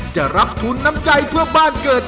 จะรับทุนน้ำใจเพื่อบ้านเกิด